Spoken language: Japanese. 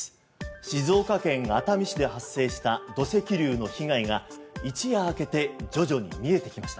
静岡県熱海市で発生した土石流の被害が一夜明けて徐々に見えてきました。